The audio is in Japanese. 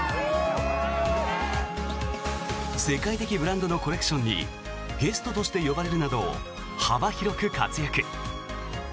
世界的ブランドのコレクションにゲストとして呼ばれるなど幅広く活躍。